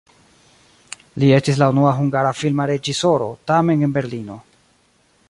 Li estis la unua hungara filma reĝisoro, tamen en Berlino.